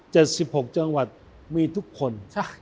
๗๖จังหวัดมีทุกคน